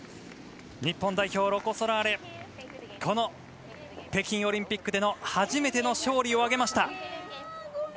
日本代表ロコ・ソラーレこの北京オリンピックでの初めての勝利を挙げました。